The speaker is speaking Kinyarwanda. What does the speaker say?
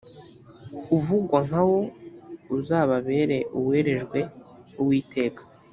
uvangwa nka wo uzababere uwerejwe uwiteka